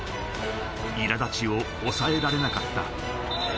いらだちを抑えられなかった。